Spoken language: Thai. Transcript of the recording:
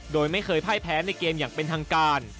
โดยไม่เคยพ่ายแพ้ในเกมอย่างเป็นทางการ